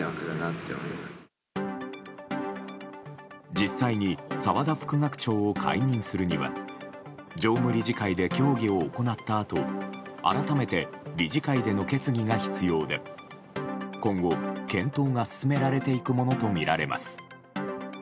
実際に澤田副学長を解任するには常務理事会で協議を行ったあと改めて理事会での決議が必要で今後、検討が進められていくものとみられます。